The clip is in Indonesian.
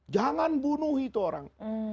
jangan bunuh itu orang